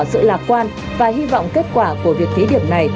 sự lạc quan và hy vọng kết quả của việc thí điểm này